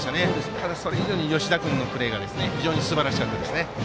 ただ、それ以上に吉田君のプレーがすばらしかったです。